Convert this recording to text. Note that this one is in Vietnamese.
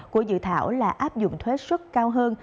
của dự thảo là áp dụng thuế xuất cao hơn